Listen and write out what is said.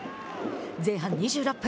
前半２６分。